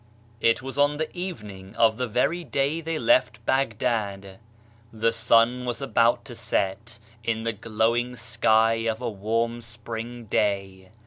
It was on the evening of the very day they left Baghdad. The sun was about to set in the glowing sky of a warm spring day.